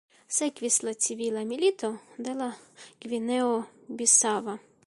Sekvis la Civila Milito de Gvineo-Bisaŭa.